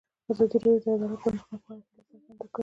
ازادي راډیو د عدالت د پرمختګ په اړه هیله څرګنده کړې.